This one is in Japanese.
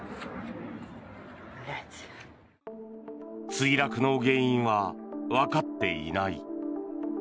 墜落の原因はわかっていない。